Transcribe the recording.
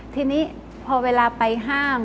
ทีนี้พอเวลาไปห้าม